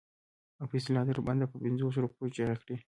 او په اصطلاح تر بنده په پنځو روپو چیغه کړي.